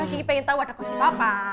kaki pengen tau ada kursi papa